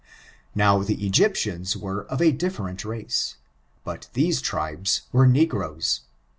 Now the Egyptians were of a difierent race, but these tribes were negroes.